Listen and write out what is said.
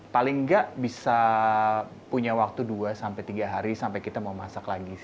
paling nggak bisa punya waktu dua sampai tiga hari sampai kita mau masak lagi